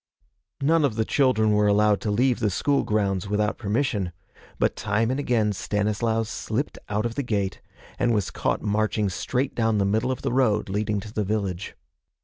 None of the children were allowed to leave the school grounds without permission, but time and again Stanislaus slipped out of the gate, and was caught marching straight down the middle of the road leading to the village.